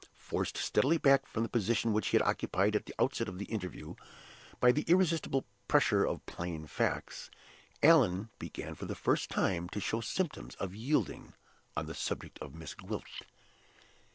Forced steadily back from the position which he had occupied at the outset of the interview, by the irresistible pressure of plain facts, Allan began for the first time to show symptoms of yielding on the subject of Miss Gwilt.